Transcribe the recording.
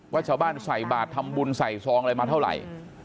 ว่าชาวบ้านใส่บาททำบุญใส่ซองอะไรมาเท่าไหร่